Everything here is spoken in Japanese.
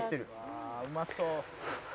「ああうまそう。